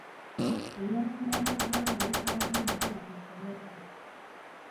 Ebyenfuna by’eggwanga bitaaguddwa ekirwadde.